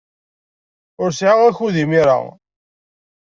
Ur sɛiɣ akud imir-a.